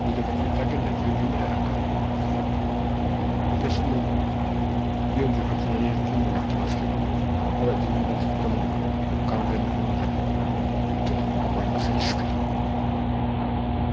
私も４８年４９年やってますけどもまだ自分の作ったものが完全なものだとはとても思えませんですから。